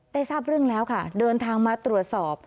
ทราบเรื่องแล้วค่ะเดินทางมาตรวจสอบ